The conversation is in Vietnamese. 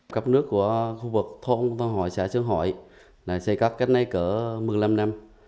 các nước của khu vực thôn sơn hội xã sơn hội xây cắt cách nay cỡ một mươi năm năm